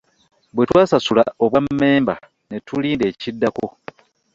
Bwe twasasula obwammemba ne tulinda ekiddako.